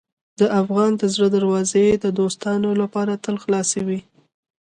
د افغان د زړه دروازې د دوستانو لپاره تل خلاصې دي.